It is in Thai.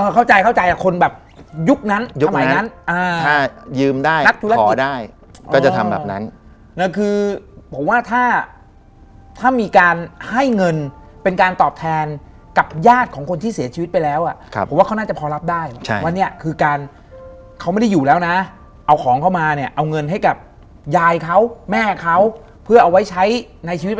เขาบอกว่าไอตอนสร้างเนี่ยคือไม่ได้บอกกล่าว